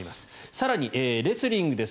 更に、レスリングです。